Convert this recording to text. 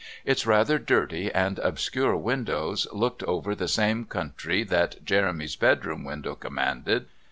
Its rather dirty and obscure windows looked over the same country that Jeremy's bedroom window commanded.